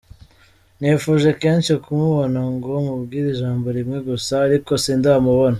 Nifuje kenshi kumubona ngo mubwire ijambo rimwe gusa ariko sindamubona.